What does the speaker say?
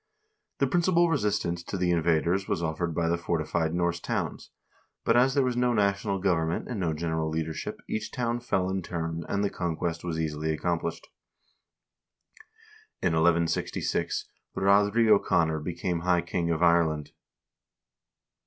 The principal resistance to the invaders was offered by the fortified Norse towns, but as there was no national government and no general leadership, each town fell in turn, and the conquest was easily accomplished. In 1166 Ruaidhri O'Connor became high king of Ireland.